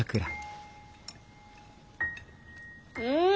うん！